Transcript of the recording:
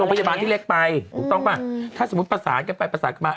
พยาบาลที่เล็กไปถูกต้องป่ะถ้าสมมุติประสานกันไปประสานกันมา